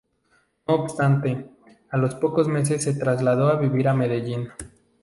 No obstante, a los pocos meses se trasladó a vivir a Medellín.